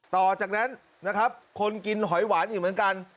ต่อจากนั้นนะครับคนกินหอยหวานอีกเหมือนกัน